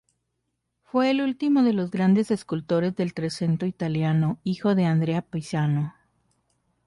Fue el último de los grandes escultores del Trecento italiano, hijo de Andrea Pisano.